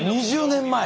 ２０年前！